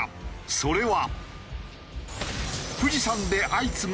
それは。